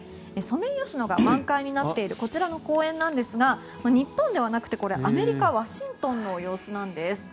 ソメイヨシノが満開になっているこちらの公園なんですが日本ではなくてアメリカ・ワシントンの様子なんです。